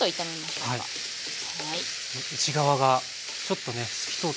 内側がちょっとね透き通ってくる。